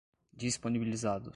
disponibilizados